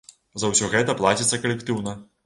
За ўсё гэта плаціцца калектыўна.